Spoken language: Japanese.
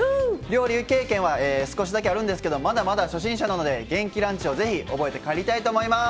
料理経験は少しだけあるんですけどまだまだ初心者なので元気ランチをぜひ覚えて帰りたいと思います。